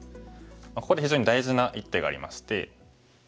ここで非常に大事な一手がありまして。